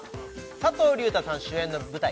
佐藤隆太さん主演の舞台